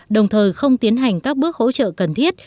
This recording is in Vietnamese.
đồng thời không tiến hành các bước hỗ trợ cần thiết